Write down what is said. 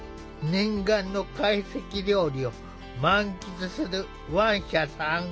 念願の会席料理を満喫するワンシャさん。